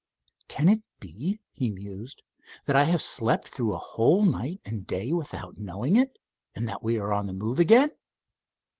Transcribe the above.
"Can it be?" he mused, "that I have slept through a whole night and day without knowing it, and that we are on the move again.